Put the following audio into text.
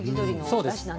そうです。